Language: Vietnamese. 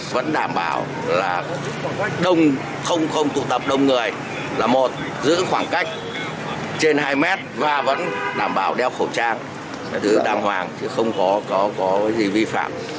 vẫn đảm bảo là không tụ tập đông người là một giữ khoảng cách trên hai mét và vẫn đảm bảo đeo khẩu trang đàng hoàng chứ không có gì vi phạm